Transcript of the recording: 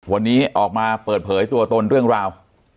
วันนี้ออกมาเปิดเผยตัวตนเรื่องราว